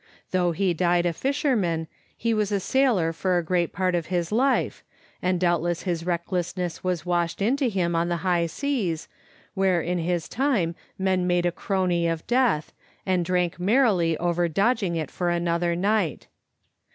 Though he died a fisherman he was a sailor for a great part of his life, and doubtless his recklessness was washed into him on the high seas, where in his time men made a crony of death, and drank merrily over dodging it for another night.